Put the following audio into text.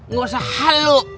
gak usah haluk